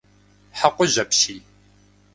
Хьэкъужь апщий!